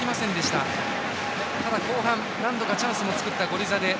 ただ、後半、何度かチャンスも作ったゴリザデー。